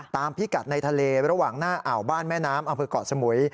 พิกัดในทะเลระหว่างหน้าอ่าวบ้านแม่น้ำอำเภอกเกาะสมุย